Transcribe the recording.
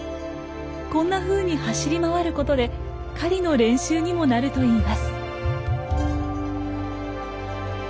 こんなふうに走り回ることで狩りの練習にもなるといいます。